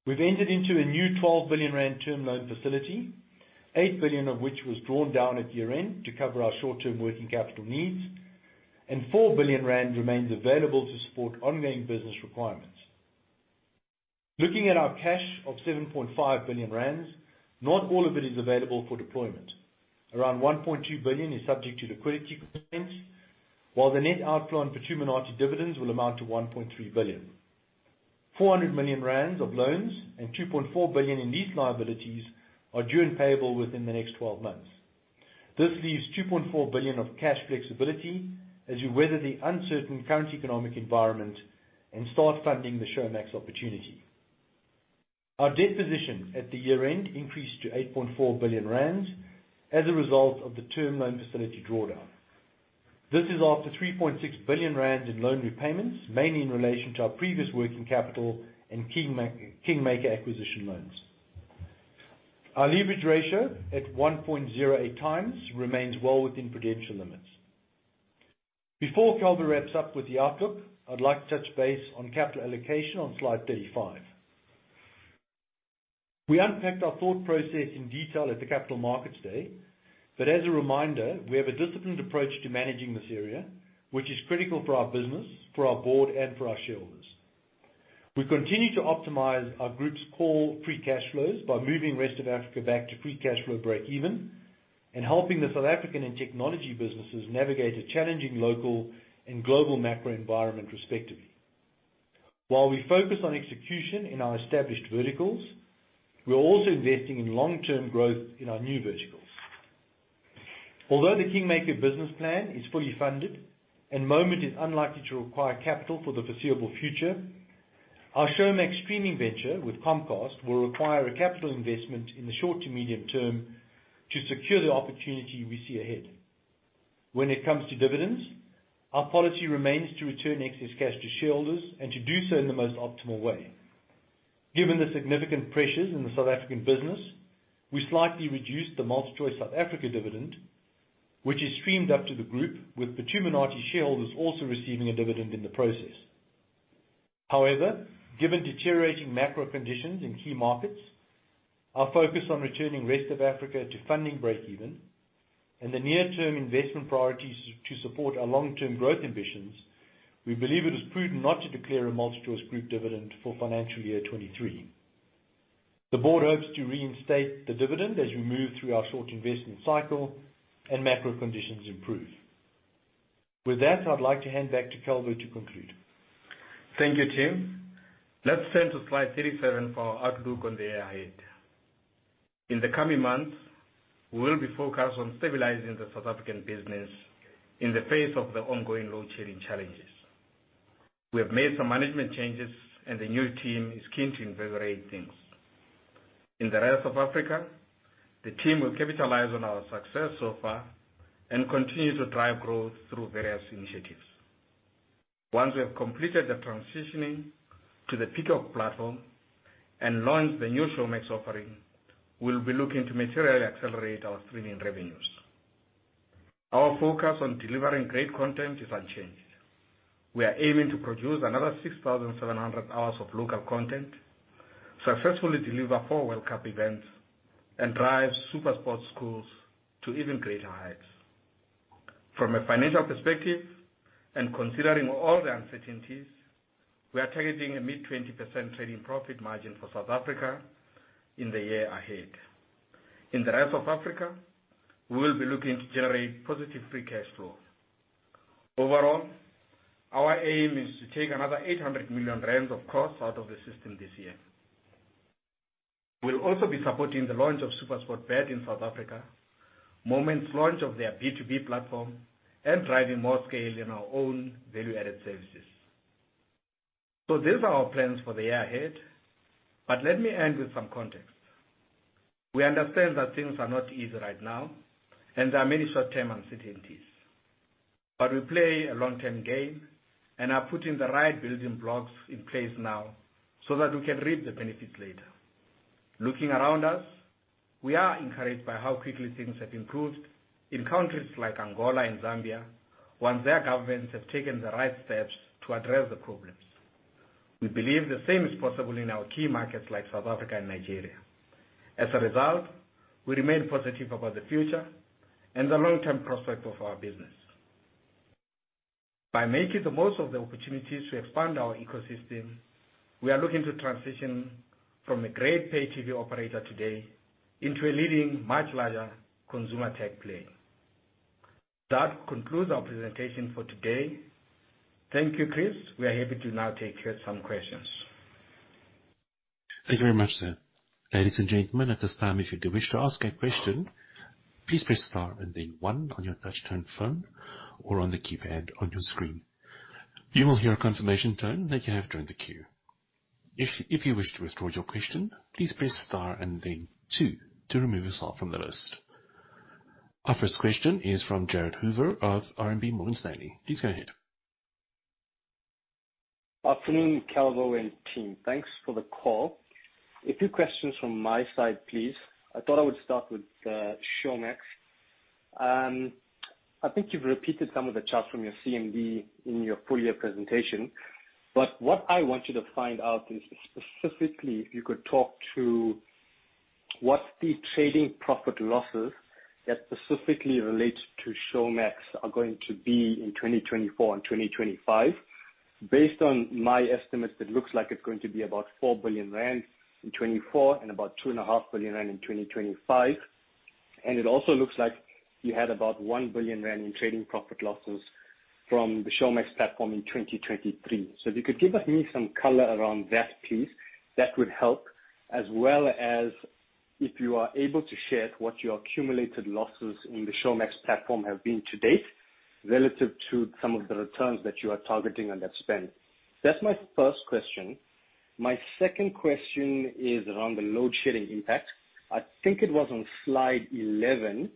We've entered into a new 12 billion rand term loan facility, 8 billion of which was drawn down at year-end to cover our short-term working capital needs, and 4 billion rand remains available to support ongoing business requirements. Looking at our cash of 7.5 billion rand, not all of it is available for deployment. Around 1.2 billion is subject to liquidity constraints, while the net outflow on Phuthuma Nathi dividends will amount to 1.3 billion. 400 million rand of loans and 2.4 billion in lease liabilities are due and payable within the next 12 months. This leaves 2.4 billion of cash flexibility as you weather the uncertain current economic environment and start funding the Showmax opportunity. Our debt position at the year-end increased to 8.4 billion rand as a result of the term loan facility drawdown. This is after 3.6 billion rand in loan repayments, mainly in relation to our previous working capital and KingMakers acquisition loans. Our leverage ratio at 1.08x remains well within projection limits. Before Calvo wraps up with the outlook, I'd like to touch base on capital allocation on slide 35. We unpacked our thought process in detail at the Capital Markets Day. As a reminder, we have a disciplined approach to managing this area, which is critical for our business, for our board, and for our shareholders. We continue to optimize our group's core free cash flows by moving rest of Africa back to free cash flow breakeven and helping the South African and technology businesses navigate a challenging local and global macro environment, respectively. While we focus on execution in our established verticals, we are also investing in long-term growth in our new verticals. Although the KingMakers business plan is fully funded and Moment is unlikely to require capital for the foreseeable future, our Showmax streaming venture with Comcast will require a capital investment in the short to medium term to secure the opportunity we see ahead. When it comes to dividends, our policy remains to return excess cash to shareholders and to do so in the most optimal way. Given the significant pressures in the South African business, we slightly reduced the MultiChoice South Africa dividend, which is streamed up to the group, with Phuthuma Nathi shareholders also receiving a dividend in the process. Given deteriorating macro conditions in key markets, our focus on returning rest of Africa to funding breakeven and the near-term investment priorities to support our long-term growth ambitions, we believe it is prudent not to declare a MultiChoice Group dividend for financial year 23. The board hopes to reinstate the dividend as we move through our short investment cycle and macro conditions improve. I'd like to hand back to Calvo to conclude. Thank you, Tim. Let's turn to slide 37 for our outlook on the year ahead. In the coming months, we will be focused on stabilizing the South African business in the face of the ongoing load-shedding challenges. We have made some management changes, and the new team is keen to invigorate things. In the rest of Africa, the team will capitalize on our success so far and continue to drive growth through various initiatives. Once we have completed the transitioning to the Peacock platform and launched the new Showmax offering, we'll be looking to materially accelerate our streaming revenues. Our focus on delivering great content is unchanged. We are aiming to produce another 6,700 hours of local content, successfully deliver 4 World Cup events, and drive SuperSport Schools to even greater heights. From a financial perspective, and considering all the uncertainties, we are targeting a mid-20% trading profit margin for South Africa in the year ahead. In the rest of Africa, we will be looking to generate positive free cash flow. Overall, our aim is to take another 800 million rand of costs out of the system this year. We'll also be supporting the launch of SuperSportBet in South Africa, Moment's launch of their B2B platform, and driving more scale in our own value-added services. These are our plans for the year ahead, but let me end with some context. We understand that things are not easy right now, and there are many short-term uncertainties, but we play a long-term game and are putting the right building blocks in place now so that we can reap the benefits later. Looking around us, we are encouraged by how quickly things have improved in countries like Angola and Zambia, once their governments have taken the right steps to address the problems. We believe the same is possible in our key markets like South Africa and Nigeria. As a result, we remain positive about the future and the long-term prospect of our business. By making the most of the opportunities to expand our ecosystem, we are looking to transition from a great pay TV operator today into a leading, much larger consumer tech player. That concludes our presentation for today. Thank you, Chris. We are happy to now take some questions. Thank you very much, sir. Ladies and gentlemen, at this time, if you do wish to ask a question, please press star and then one on your touchtone phone or on the keypad on your screen. You will hear a confirmation tone that you have joined the queue. If you wish to withdraw your question, please press star and then two to remove yourself from the list. Our first question is from Jared Hoover of RMB Morgan Stanley. Please go ahead. Afternoon, Calvo and team. Thanks for the call. A few questions from my side, please. I thought I would start with Showmax. I think you've repeated some of the charts from your CMD in your full year presentation, but what I want you to find out is, specifically, if you could talk to what the trading profit losses that specifically relate to Showmax are going to be in 2024 and 2025. Based on my estimates, it looks like it's going to be about 4 billion rand in 2024 and about 2.5 billion rand in 2025. It also looks like you had about 1 billion rand in trading profit losses from the Showmax platform in 2023. If you could give me some color around that, please, that would help, as well as if you are able to share what your accumulated losses in the Showmax platform have been to date relative to some of the returns that you are targeting on that spend. That's my first question. My second question is around the load-shedding impact. I think it was on slide 11,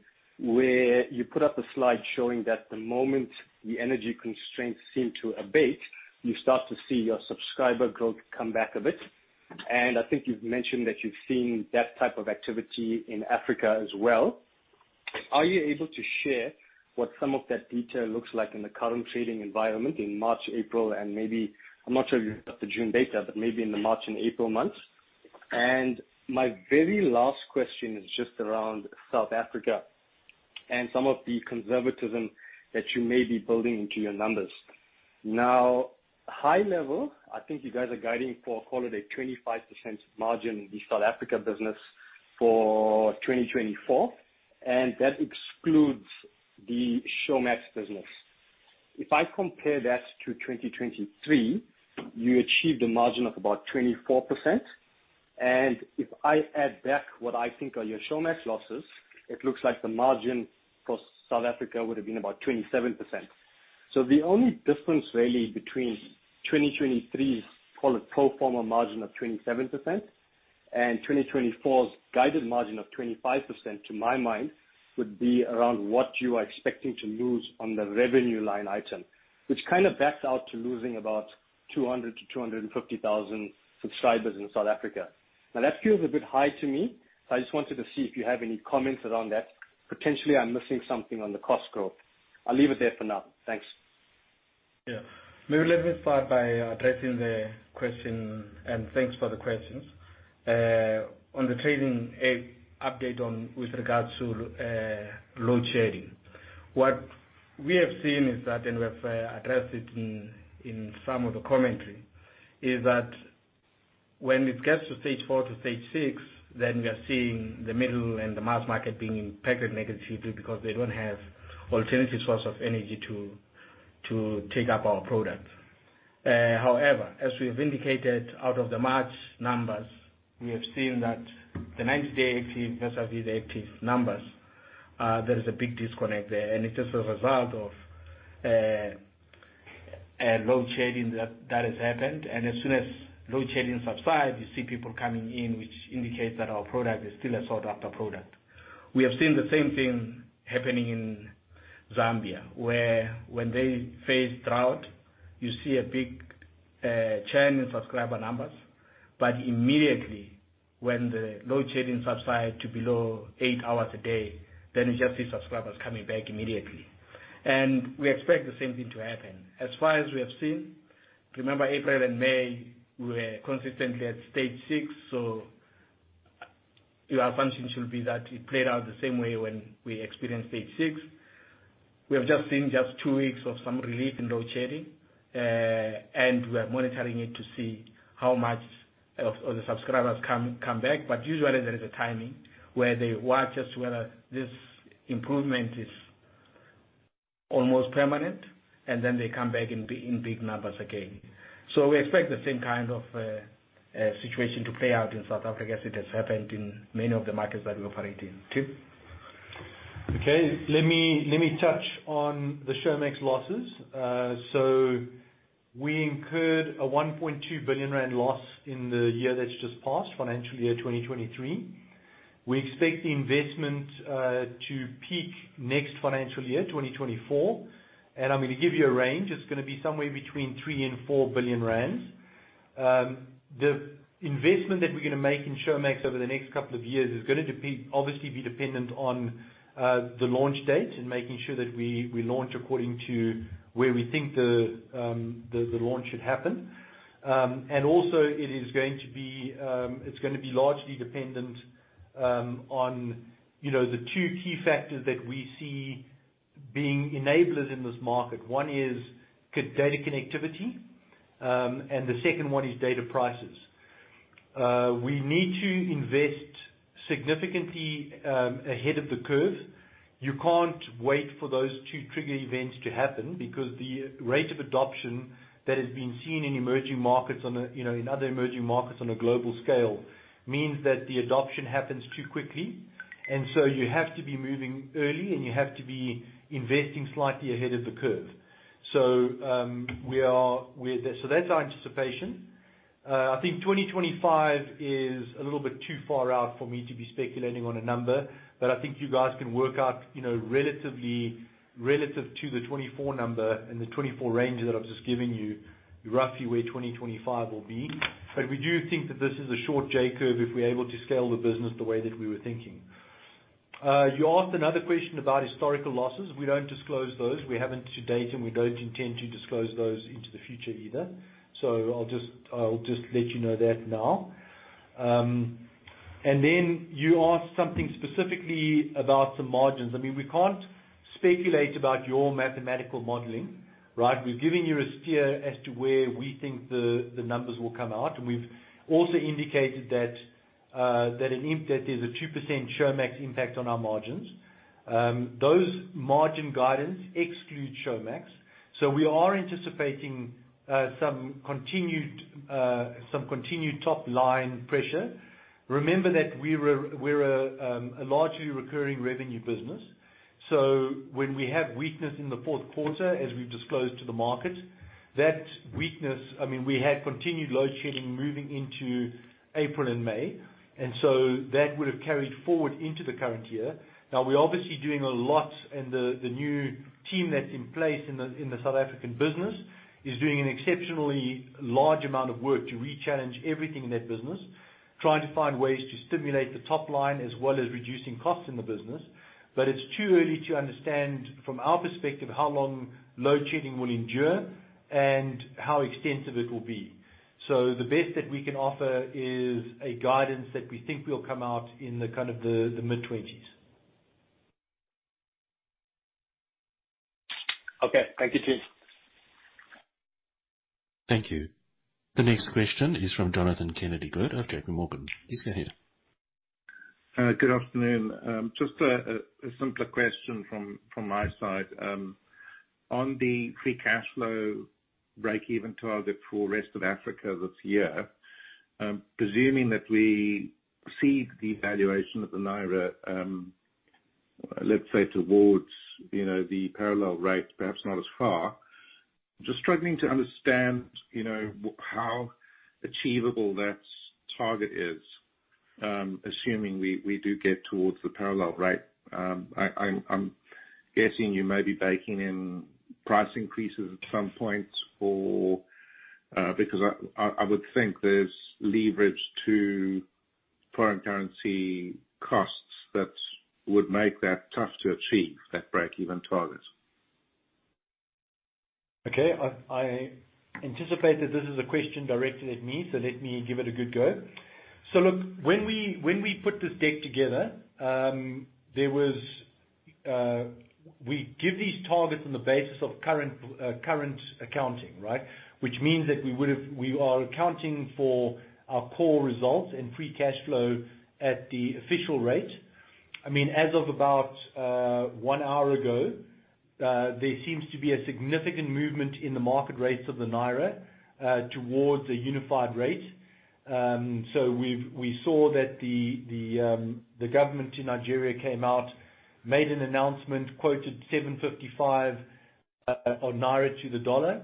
where you put up a slide showing that the moment the energy constraints seem to abate, you start to see your subscriber growth come back a bit. I think you've mentioned that you've seen that type of activity in Africa as well. Are you able to share what some of that detail looks like in the current trading environment in March, April, and maybe, I'm not sure you have the June data, but maybe in the March and April months? My very last question is just around South Africa and some of the conservatism that you may be building into your numbers. High level, I think you guys are guiding for, call it a 25% margin in the South Africa business for 2024, and that excludes the Showmax business. If I compare that to 2023, you achieved a margin of about 24%, and if I add back what I think are your Showmax losses, it looks like the margin for South Africa would have been about 27%. The only difference really between 2023's call it pro forma margin of 27% and 2024's guided margin of 25%, to my mind, would be around what you are expecting to lose on the revenue line item, which kind of backs out to losing about 200,000-250,000 subscribers in South Africa. That feels a bit high to me, so I just wanted to see if you have any comments around that. Potentially, I'm missing something on the cost growth. I'll leave it there for now. Thanks. Yeah. Maybe let me start by addressing the question. Thanks for the questions. On the trading update on with regards to load shedding. What we have seen is that, we have addressed it in some of the commentary, is that when it gets to stage 4 to stage 6, we are seeing the middle and the mass market being impacted negatively because they don't have alternative source of energy to take up our product. However, as we have indicated out of the March numbers, we have seen that the 90-day active versus the 18 numbers, there is a big disconnect there, it is a result of load shedding that has happened. As soon as load shedding subsides, you see people coming in, which indicates that our product is still a sought-after product. We have seen the same thing happening in Zambia, where when they face drought, you see a big churn in subscriber numbers. Immediately, when the load shedding subside to below 8 hours a day, then you just see subscribers coming back immediately. We expect the same thing to happen. As far as we have seen, remember, April and May, we were consistently at Stage 6, so our assumption should be that it played out the same way when we experienced Stage 6. We have just seen just 2 weeks of some relief in load shedding, and we are monitoring it to see how much of the subscribers come back. Usually, there is a timing, where they watch as to whether this improvement is almost permanent, and then they come back in big numbers again. We expect the same kind of situation to play out in South Africa, as it has happened in many of the markets that we operate in. Tim? Okay, let me touch on the Showmax losses. We incurred a 1.2 billion rand loss in the year that's just passed, FY 2023. We expect the investment to peak next FY 2024, and I'm gonna give you a range. It's gonna be somewhere between 3 billion and 4 billion rand. The investment that we're gonna make in Showmax over the next couple of years is gonna obviously be dependent on the launch date and making sure that we launch according to where we think the launch should happen. It is going to be, it's gonna be largely dependent on, you know, the two key factors that we see being enablers in this market. One is data connectivity, the second one is data prices. We need to invest significantly ahead of the curve. You can't wait for those two trigger events to happen, because the rate of adoption that has been seen in emerging markets on a, you know, in other emerging markets on a global scale, means that the adoption happens too quickly. You have to be moving early, and you have to be investing slightly ahead of the curve. That's our anticipation. I think 2025 is a little bit too far out for me to be speculating on a number, but I think you guys can work out, you know, relatively, relative to the 24 number and the 24 range that I've just given you, roughly where 2025 will be. We do think that this is a short J-curve if we're able to scale the business the way that we were thinking. You asked another question about historical losses. We don't disclose those. We haven't to date, and we don't intend to disclose those into the future either. I'll just let you know that now. You asked something specifically about the margins. I mean, we can't speculate about your mathematical modeling, right? We've given you a steer as to where we think the numbers will come out, and we've also indicated that there's a 2% Showmax impact on our margins. Those margin guidance exclude Showmax, we are anticipating some continued top-line pressure. Remember that we're a largely recurring revenue business. When we have weakness in the fourth quarter, as we've disclosed to the market, that weakness. I mean, we had continued load shedding moving into April and May. That would have carried forward into the current year. We're obviously doing a lot, and the new team that's in place in the South African business, is doing an exceptionally large amount of work to re-challenge everything in that business, trying to find ways to stimulate the top line, as well as reducing costs in the business. It's too early to understand, from our perspective, how long load shedding will endure and how extensive it will be. The best that we can offer is a guidance that we think will come out in the kind of the mid-twenties. Okay, thank you, chief. Thank you. The next question is from Jonathan Kennedy-Good of JPMorgan. Please go ahead. Good afternoon. Just a simpler question from my side. On the free cash flow breakeven target for rest of Africa this year, presuming that we see the valuation of the Naira, let's say towards, you know, the parallel rate, perhaps not as far, just struggling to understand, you know, how achievable that target is, assuming we do get towards the parallel rate. I'm guessing you may be baking in price increases at some point or... Because I would think there's leverage to foreign currency costs that would make that tough to achieve, that breakeven target. I anticipate that this is a question directed at me. Let me give it a good go. When we put this deck together, we give these targets on the basis of current accounting, right? Which means that we are accounting for our core results and free cash flow at the official rate. I mean, as of about 1 hour ago, there seems to be a significant movement in the market rates of the Naira towards a unified rate. We saw that the government in Nigeria came out, made an announcement, quoted 755 Naira to the dollar.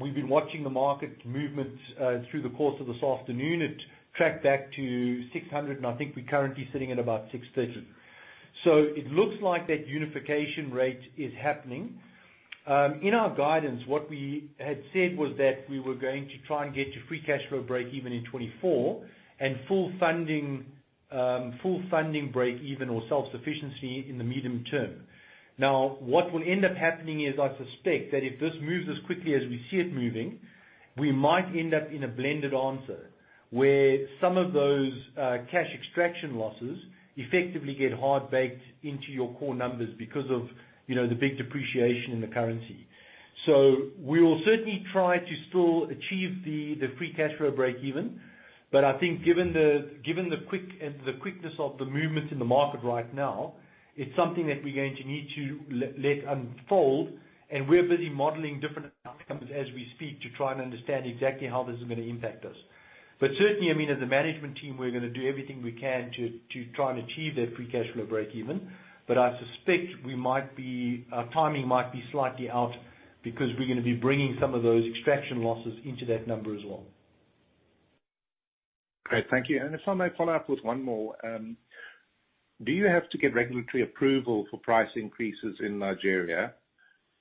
We've been watching the market movement through the course of this afternoon. It tracked back to 600, and I think we're currently sitting at about 630. It looks like that unification rate is happening. In our guidance, what we had said was that we were going to try and get to free cash flow breakeven in 2024, and full funding, full funding breakeven or self-sufficiency in the medium term. What will end up happening is, I suspect, that if this moves as quickly as we see it moving, we might end up in a blended answer, where some of those, cash extraction losses effectively get hard-baked into your core numbers because of, you know, the big depreciation in the currency. We will certainly try to still achieve the free cash flow breakeven, but I think given the quickness of the movement in the market right now, it's something that we're going to need to let unfold, and we're busy modeling different outcomes as we speak to try and understand exactly how this is gonna impact us. Certainly, I mean, as a management team, we're gonna do everything we can to try and achieve that free cash flow breakeven, but I suspect our timing might be slightly out, because we're gonna be bringing some of those extraction losses into that number as well. Great, thank you. If I may follow up with one more. Do you have to get regulatory approval for price increases in Nigeria?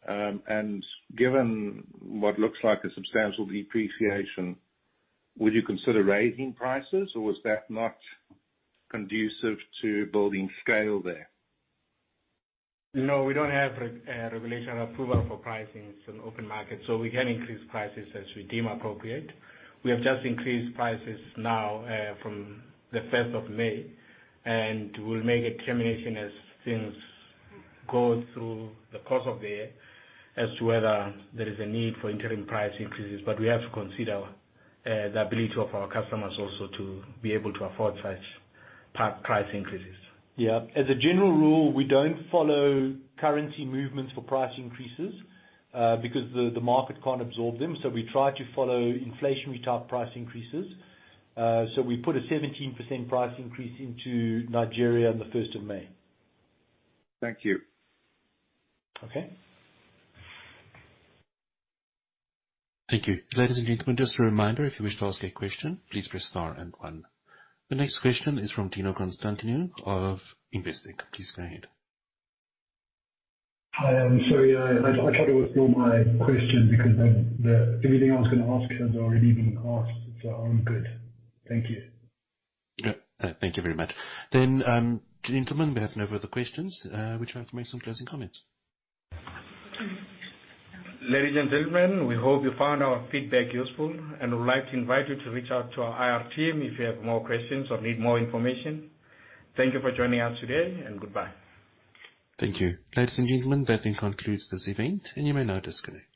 Given what looks like a substantial depreciation, would you consider raising prices, or is that not conducive to building scale there? We don't have regulation approval for pricing in open market, so we can increase prices as we deem appropriate. We have just increased prices now, from the fifth of May, and we'll make a determination as things go through the course of the year as to whether there is a need for interim price increases. We have to consider, the ability of our customers also to be able to afford such price increases. Yeah. As a general rule, we don't follow currency movements for price increases, because the market can't absorb them, so we try to follow inflationary-type price increases. We put a 17% price increase into Nigeria on the 1st of May. Thank you. Okay. Thank you. Ladies and gentlemen, just a reminder, if you wish to ask a question, please press star and one. The next question is from Dino Constantinou of Investec. Please go ahead. Hi, sorry, I try to withdraw my question because then everything I was gonna ask has already been asked, so I'm good. Thank you. Yeah. Thank you very much. Gentlemen, we have no further questions. Would you like to make some closing comments? Ladies and gentlemen, we hope you found our feedback useful. We'd like to invite you to reach out to our IR team if you have more questions or need more information. Thank you for joining us today. Goodbye. Thank you. Ladies and gentlemen, that then concludes this event, and you may now disconnect.